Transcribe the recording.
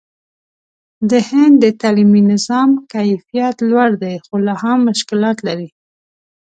د هند د تعلیمي نظام کیفیت لوړ دی، خو لا هم مشکلات لري.